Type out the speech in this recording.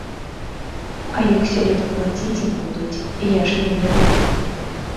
А як сёлета плаціць ім будуць, я ж не ведаю.